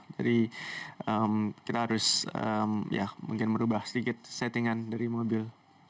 jadi kita harus mungkin merubah sedikit settingan dari mobil